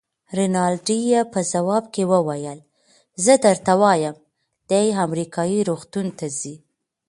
رینالډي یې په ځواب کې وویل: زه درته وایم، دی امریکایي روغتون ته ځي.